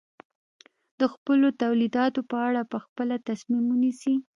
د خپلو تولیداتو په اړه په خپله تصمیم ونیسي.